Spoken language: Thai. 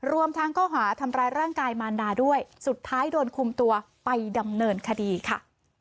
รวมทั้งข้อหาทำร้ายร่างกายมารดาด้วยสุดท้ายโดนคุมตัวไปดำเนินคดีค่ะ